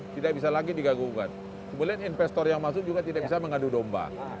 tidak bisa lagi digagukan kemudian investor yang masuk juga tidak bisa mengadu domba